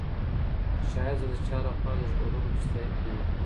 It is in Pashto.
شاید زه د چا له خوا د ژغورلو مستحق نه یم.